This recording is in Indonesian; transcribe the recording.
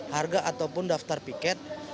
harga ataupun daftar tiket